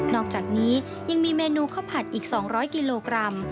อกจากนี้ยังมีเมนูข้าวผัดอีก๒๐๐กิโลกรัม